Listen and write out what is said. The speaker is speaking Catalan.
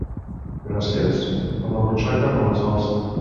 Gràcies?, en la butxaca me les alce.